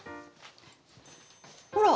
ほら！